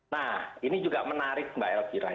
nah ini juga menarik mbak elvira